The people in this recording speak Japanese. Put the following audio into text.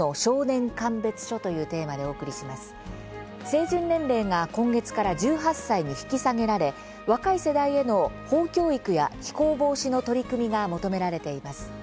成人年齢が今月から１８歳に引き下げられ若い世代への法教育や非行防止の取り組みが求められています。